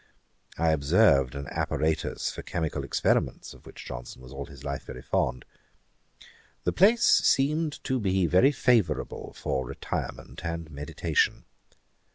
I observed an apparatus for chymical experiments, of which Johnson was all his life very fond. The place seemed to be very favourable for retirement and meditation.